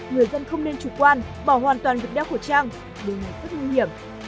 người dân không nên chủ quan bỏ hoàn toàn việc đeo khẩu trang để nhận thức nguy hiểm